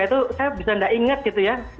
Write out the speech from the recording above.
itu saya bisa nggak ingat gitu ya